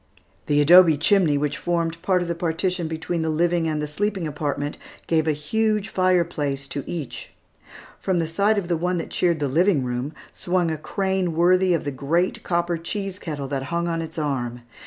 The adobe chimney, which formed part of the partition between the living and the sleeping apartment, gave a huge fireplace to each. From the side of the one that cheered the living room, swung a crane worthy of the great copper cheese kettle that hung on its arm.